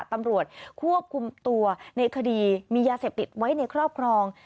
ตำรวจควบคุมตัวในคดีมียาเสพติดไว้ในครอบครอง